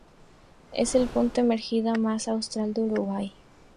Es el punto emergido más austral de Uruguay.